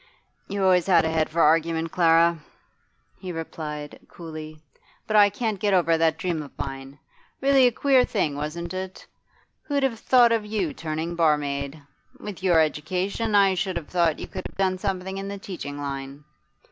'You always had a head for argument, Clara,' he replied coolly. 'But I can't get over that dream of mine. Really a queer thing, wasn't it? Who'd have thought of you turning barmaid? With your education, I should have thought you could have done something in the teaching line.